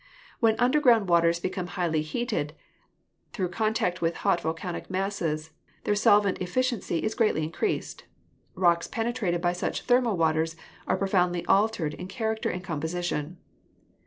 When underground waters become highly heated through contact with hot volcanic masses their solvent efficiency is greatly increased. Rocks penetrated by such thermal waters are profoundly altered in character and composition.